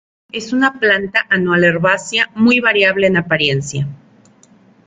Es una planta anual herbácea muy variable en apariencia.